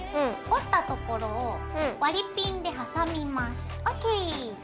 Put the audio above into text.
折ったところを割りピンで挟みます。